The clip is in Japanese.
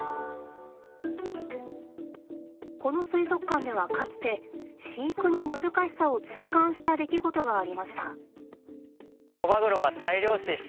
この水族館ではかつて飼育の難しさを痛感した出来事がありました。